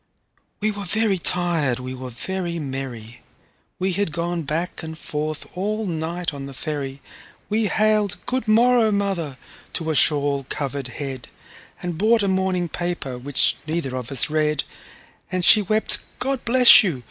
We were very tired, we were very merry, We had gone back and forth all night on the ferry, We hailed "Good morrow, mother!" to a shawl covered head, And bought a morning paper, which neither of us read; And she wept, "God bless you!"